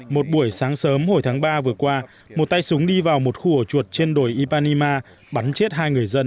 một buổi sáng sớm hồi tháng ba vừa qua một tay súng đi vào một khu ở chuột trên đồi ipanima bắn chết hai người dân